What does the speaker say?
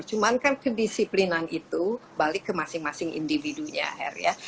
cuman kan kedisiplinan itu balik ke masing masing individunya her ya